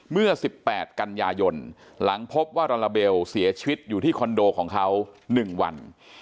เมื่อ๑๘กันยายนหลังพบว่าลาลาเบลเสียชีวิตอยู่ที่คอนโดของเขา๑วัน